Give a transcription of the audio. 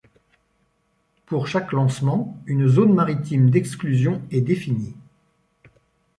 Pour chaque lancement, une zone maritime d’exclusion est définie.